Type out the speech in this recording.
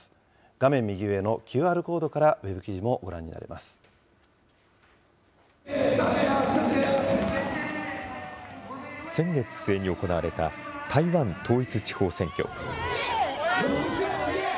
画面右上のＱＲコードから、先月末に行われた台湾統一地方選挙。